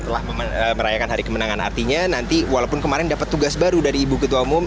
setelah merayakan hari kemenangan artinya nanti walaupun kemarin dapat tugas baru dari ibu ketua umum